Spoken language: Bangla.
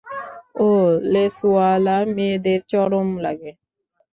ওহ, লেসওয়ালা মেয়েদের চরম লাগে।